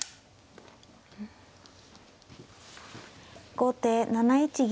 後手７一銀。